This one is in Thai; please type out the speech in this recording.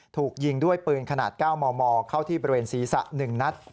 ถูกยิงด้วยปืนขนาด๙มมเข้าที่บริเวณศีรษะ๑นัด